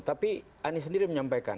tapi anis sendiri menyampaikan